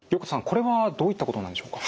これはどういったことなんでしょうか。